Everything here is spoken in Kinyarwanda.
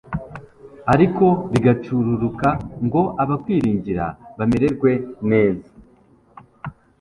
ariko bigacururuka ngo abakwiringira bamererwe neza